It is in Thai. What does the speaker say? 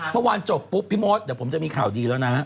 เมื่อวานจบปุ๊บพี่มดเดี๋ยวผมจะมีข่าวดีแล้วนะฮะ